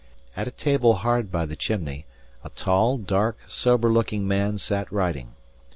At a table hard by the chimney, a tall, dark, sober looking man sat writing.